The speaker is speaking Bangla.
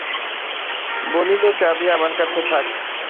বলিল, চাবি আমার কাছে থাক।